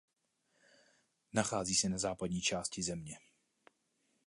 Nachází se na západní části země.